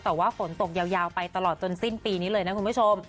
แต่ว่าฝนตกยาวไปตลอดจนสิ้นปีนี้เลยนะคุณผู้ชม